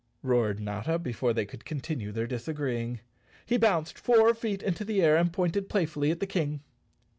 roared Notta, before they could continue their disagreeing. He bounced four feet into the air and pointed playfully at the King.